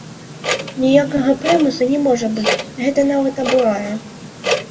Ніякага прымусу не можа быць, гэта нават абурае.